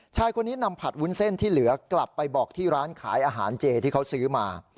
ชายคนนี้นำผัดวุ้นเส้นที่เหลือกลับไปบอกที่ร้านขายอาหารเจที่เขาซื้อมา